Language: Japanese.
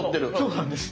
そうなんです。